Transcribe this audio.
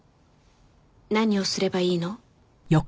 何をすればいいの？